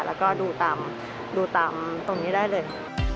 แล้วก็ดูตามตรงนี้ได้เลย